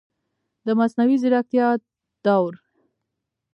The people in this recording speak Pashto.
د مصنوعي ځیرکتیا دور